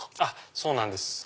そうなんです。